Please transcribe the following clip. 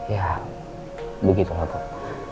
ya begitu lah pak